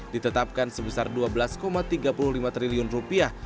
ditetapkan sebesar dua belas tiga puluh lima triliun rupiah